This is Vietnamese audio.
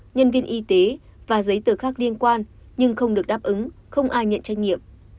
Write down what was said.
nhân viên y tế và giấy tờ khác liên quan nhưng không được đáp ứng không ai nhận trách nhiệm